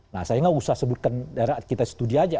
nah saya nggak usah sebutkan daerah kita studi aja